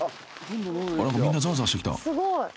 ［あっ何かみんなザワザワしてきた］